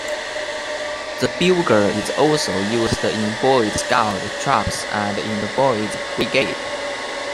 The bugle is also used in Boy Scout troops and in the Boys' Brigade.